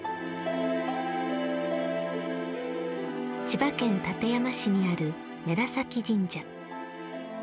千葉県館山市にある布良崎神社。